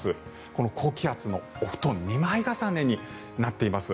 この高気圧のお布団２枚重ねになっています。